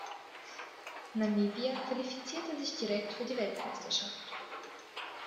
Namibia qualifizierte sich direkt für die Weltmeisterschaft.